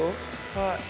はい。